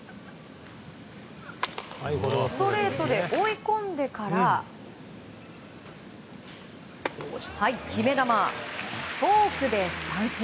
ストレートで追い込んでから決め球フォークで三振！